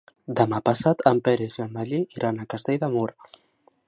Demà passat en Peris i en Magí iran a Castell de Mur.